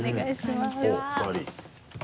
おっ２人。